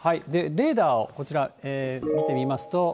レーダーをこちら、見てみますと。